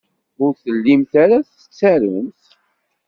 Ur tellimt ara tettarumt.